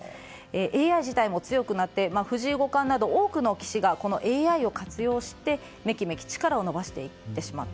ＡＩ自体も強くなって藤井五冠など多くの棋士がＡＩを活用してめきめき力を伸ばしていってしまった。